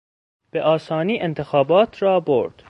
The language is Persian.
به آسانی انتخابات را برد.